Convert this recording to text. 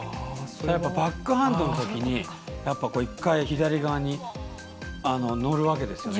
バックハンドのときに１回、左側に乗るわけですよね。